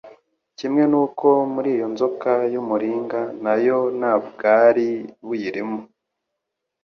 kimwe n'uko muri iyo nzoka y'umuringa na yo nta bwari buyirimo.